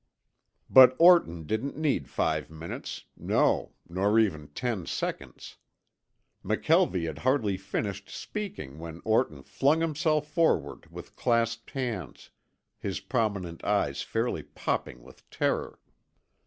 But Orton didn't need five minutes, no, nor even ten seconds. McKelvie had hardly finished speaking when Orton flung himself forward with clasped hands, his prominent eyes fairly popping with terror.